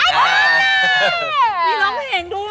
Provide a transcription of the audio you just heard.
มีร้องเพลงด้วย